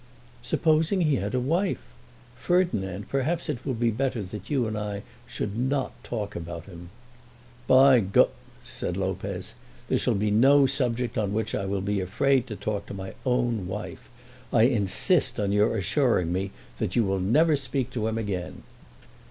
"Supposing he had a wife! Ferdinand, perhaps it will be better that you and I should not talk about him." "By G ," said Lopez, "there shall be no subject on which I will be afraid to talk to my own wife. I insist on your assuring me that you will never speak to him again."